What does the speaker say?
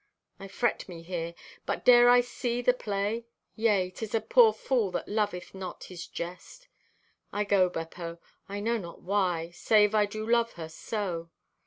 "I fret me here, but dare I see the play? Yea, 'tis a poor fool that loveth not his jest. "I go, Beppo; I know not why, save I do love her so.